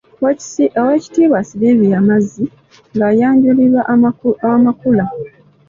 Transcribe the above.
Oweekitiibwa Sylvia Mazzi ng'ayanjulirwa amakula.